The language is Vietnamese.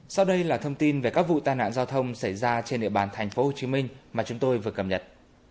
sau đây là thông tin về các vụ tai nạn giao thông xảy ra trên địa bàn thành phố hồ chí minh mà chúng tôi vừa cầm nhật